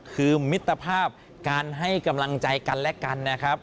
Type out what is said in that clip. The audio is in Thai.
คือมิตรภาพการให้กำลังใจกันและกันนะครับ